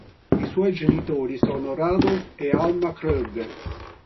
I suoi genitori sono Rudolf e Alma Krug.